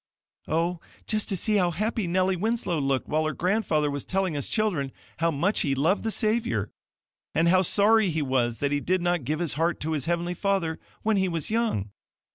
"Oh, just to see how happy Nellie Winslow looked while her grandfather was telling us children how much he loved the Savior, and how sorry he was that he did not give his heart to his heavenly Father when he was young.